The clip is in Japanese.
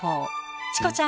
チコちゃん